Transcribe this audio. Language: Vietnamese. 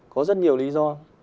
có rất nhiều lý do